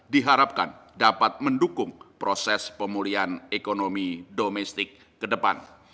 diharapkan dapat mendukung proses pemulihan ekonomi domestik ke depan